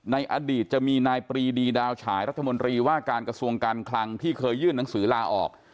ในอดีตจะมีนายปรีดีดาวฉายรัฐมนตรีว่าการกระทรวงการคลังที่เคยยื่นหนังสือลาออก